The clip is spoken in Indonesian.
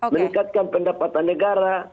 meningkatkan pendapatan negara